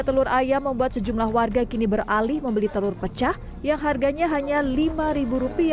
telur ayam membuat sejumlah warga kini beralih membeli telur pecah yang harganya hanya rp lima